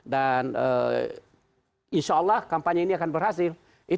dan insya allah kampanye ini akan berhasil